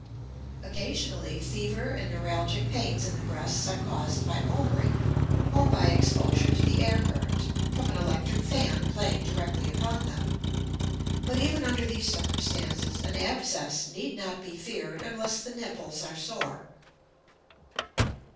Occasionally fever and neuralgic pains in the breasts are caused by motoring, or by exposure to the air current from an electric fan playing directly upon them. But even under these circumstances an abscess need not be feared unless the nipples are sore.